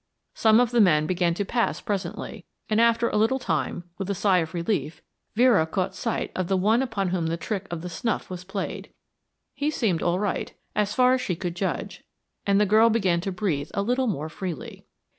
Some of the men began to pass presently, and after a little time, with a sigh of relief, Vera caught sight of the one upon whom the trick of the snuff was played. He seemed all right, as far as she could judge, and the girl began to breathe a little more freely.